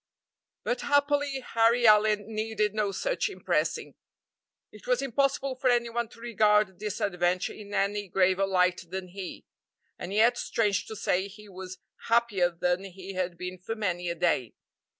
But happily Harry Allyn needed no such impressing. It was impossible for any one to regard this adventure in any graver light than he, and yet, strange to say, he was happier than he had been for many a day.